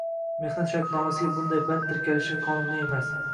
Mehnat shartnomasiga esa bunday band tirkalishi qonuniy emas.